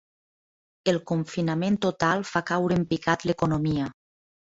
El confinament total fa caure en picat l'economia